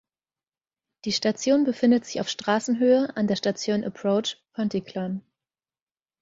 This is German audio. Die Station befindet sich auf Straßenhöhe, an der Station Approach, Pontyclun.